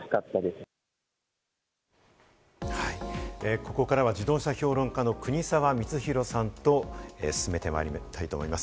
ここからは自動車評論家の国沢光宏さんと進めてまいりたいと思います。